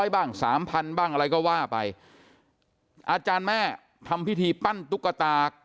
บ้างสามพันบ้างอะไรก็ว่าไปอาจารย์แม่ทำพิธีปั้นตุ๊กตา